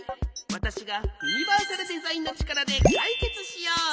わたしがユニバーサルデザインのちからでかいけつしよう。